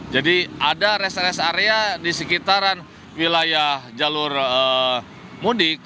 jadi ada res res area di sekitaran wilayah jalur mudik